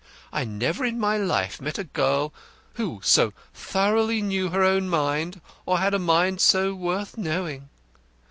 I never in my life met a girl who so thoroughly knew her own mind or had a mind so worth knowing.